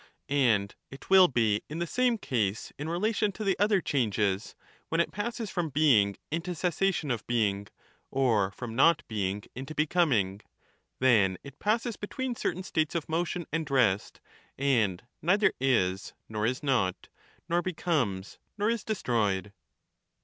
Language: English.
And it will be in the same case in relation to the other 157 changes, when it passes from being into cessation of being, or from not being into becoming— then it passes between certain states of motion and rest, and neither is nor is not, nor becomes nor is destroyed.